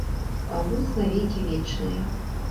Памруць на векі вечныя!